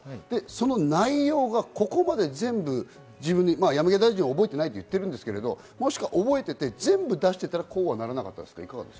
その内容がここまで全部、山際大臣は覚えていないと言っていますが、覚えていて全部出していたら、こうはならなかったですか？